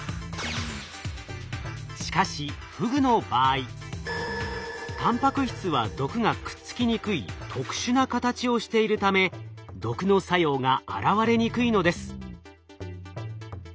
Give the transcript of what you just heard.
しかしフグの場合たんぱく質は毒がくっつきにくい特殊な形をしているため毒の作用が現れにくいのです。